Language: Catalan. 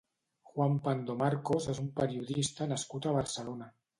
Juan Pando Marcos és un periodista nascut a Barcelona.